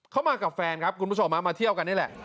เขามากับแฟนครับคุณผู้ชมมาเที่ยวกันนี่แหละ